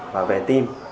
và về tim